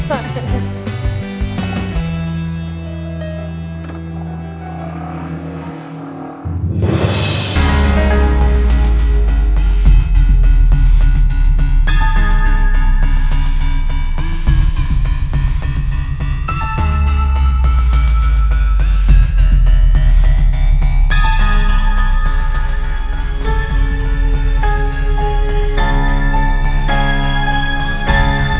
ntar gue kebuka